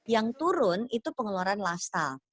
yang turun itu pengeluaran lifestyle